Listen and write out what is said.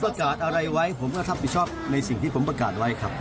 การอะไรไว้ผมก็รับผิดชอบในสิ่งที่ผมประกาศไว้ครับ